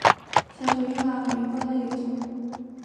小巧玉凤花为兰科玉凤花属下的一个种。